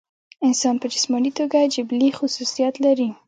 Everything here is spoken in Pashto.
انسان پۀ جسماني توګه جبلي خصوصيات لري